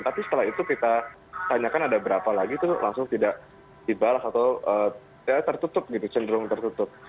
tapi setelah itu kita tanyakan ada berapa lagi itu langsung tidak dibalas atau tertutup gitu cenderung tertutup